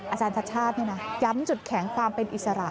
อาจารย์ชัดชาติย้ำจุดแข็งความเป็นอิสระ